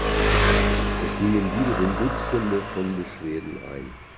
Es gingen wiederum Dutzende von Beschwerden ein.